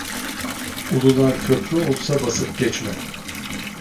Ulular köprü olsa basıp geçme.